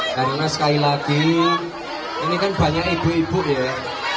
karena sekali lagi ini kan banyak ibu ibu ya